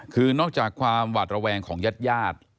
คือนอกจากความหวาดระแวงของญาติญาติ